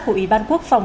của ủy ban quốc phòng